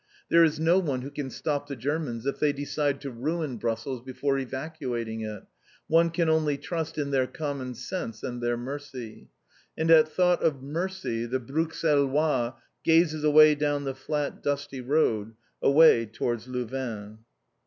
There is no one who can stop the Germans if they decide to ruin Brussels before evacuating it. One can only trust in their common sense and their mercy! And at thought of mercy the Bruxellois gazes away down the flat, dusty road away towards Louvain!